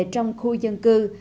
trong khu dân cư